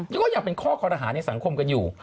ที่ก็อยากเป็นข้อกัณหาในสังคมกันอยู่